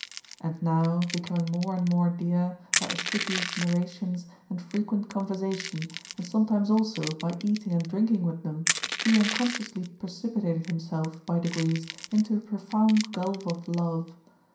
" And now, becoming more and more dear, by assiduous narrations, and frequent conversation, and sometimes also by eating and drinking with them, he unconsciously precipitated himself, by degrees, into a profound gulf of love.